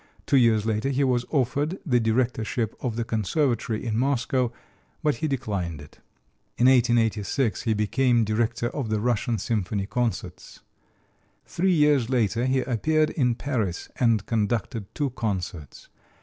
Two years later he was offered the directorship of the Conservatory in Moscow, but he declined it. In 1886 he became director of the Russian symphony concerts. Three years later he appeared in Paris and conducted two concerts.